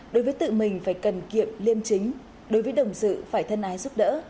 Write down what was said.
đối với tự mình phải cần kiệm liêm chính đối với đồng sự phải thân ái giúp đỡ